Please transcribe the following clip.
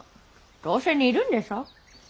どうせ煮るんでしょ。